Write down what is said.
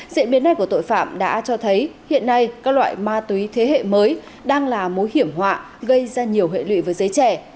diễn biến này của tội phạm đã cho thấy hiện nay các loại ma túy thế hệ mới đang là mối hiểm họa gây ra nhiều hệ lụy với giới trẻ